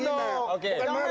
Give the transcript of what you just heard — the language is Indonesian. jangan dong ditangis